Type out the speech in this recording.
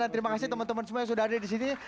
dan terima kasih teman teman semua yang sudah ada disini